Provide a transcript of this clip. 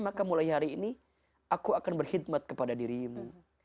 maka mulai hari ini aku akan berkhidmat kepada dirimu